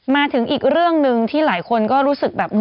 มาถึงอีกเรื่องหนึ่งที่หลายคนก็รู้สึกแบบ